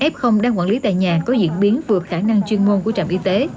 f đang quản lý tại nhà có diễn biến vượt khả năng chuyên môn của trạm y tế